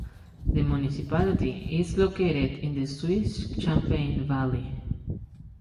The municipality is located in the Swiss Champagne valley.